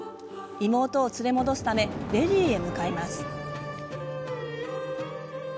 妹を連れ戻すためデリーへ向かいます。